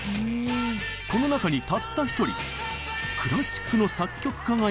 この中にたった１人クラシックの作曲家がいるんですが。